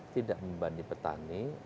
tidak membebani petani